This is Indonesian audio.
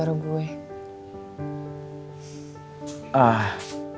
kamu enggak perlu minta maaf